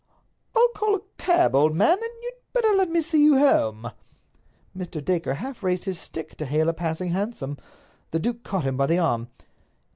"I'll call a cab, old man, and you'd better let me see you home." Mr. Dacre half raised his stick to hail a passing hansom. The duke caught him by the arm.